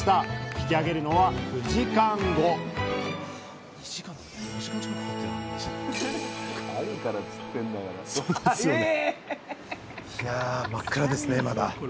引き上げるのは９時間後いや真っ暗ですねまだ。